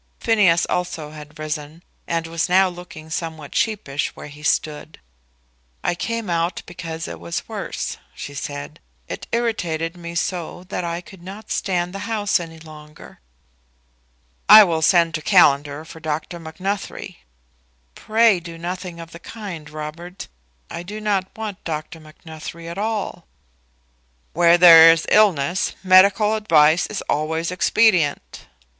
Phineas also had risen, and was now looking somewhat sheepish where he stood. "I came out because it was worse," she said. "It irritated me so that I could not stand the house any longer." "I will send to Callender for Dr. Macnuthrie." "Pray do nothing of the kind, Robert. I do not want Dr. Macnuthrie at all." "Where there is illness, medical advice is always expedient."